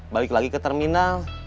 balik lagi ke terminal